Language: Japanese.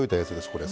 これ。